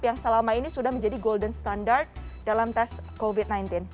yang selama ini sudah menjadi golden standard dalam tes covid sembilan belas